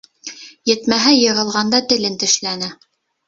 Етмәһә, йығылғанда телен тешләне.